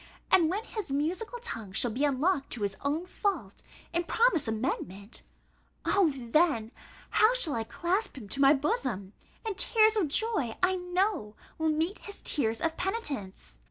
And when his musical tongue shall be unlocked to own his fault, and promise amendment O then! how shall I clasp him to my bosom! and tears of joy, I know, will meet his tears of penitence!